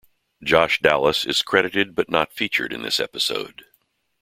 Josh Dallas is credited but not featured in this episode.